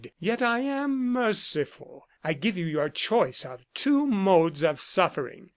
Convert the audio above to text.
Yet I am merciful. I give you your choice of two modes of suffering.